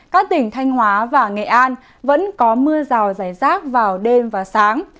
các tỉnh thanh hóa và nghệ an vẫn có mưa rào giải giác vào đêm và sáng